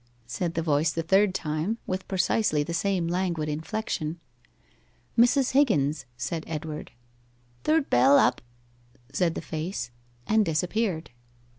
said the voice the third time, with precisely the same languid inflection. 'Mrs. Higgins,' said Edward. 'Third bell up,' said the face, and disappeared.